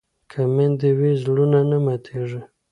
که مینه وي، زړونه نه ماتېږي.